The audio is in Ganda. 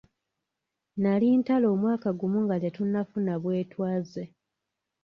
Nali Ntale omwaka gumu nga tetunnafuna bwetwaze